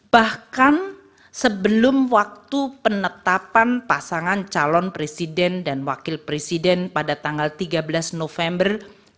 bahkan sebelum waktu penetapan pasangan calon presiden dan wakil presiden pada tanggal tiga belas november dua ribu dua puluh